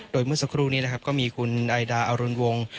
โดยเมื่อสักครู่นี้นะครับก็มีคุณไอดาอรุณวงศ์